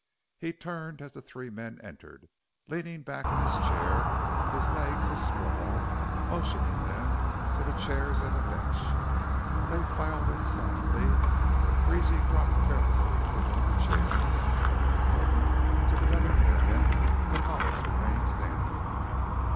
He turned as the three men entered, leaning back in his chair, his legs a sprawl, motioning them to the chairs and the bench. They filed in silently. Greasy dropped carelessly into one of the chairs, Norton took another near him, but Hollis remained standing.